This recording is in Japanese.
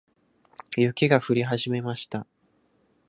雪が降り始めました。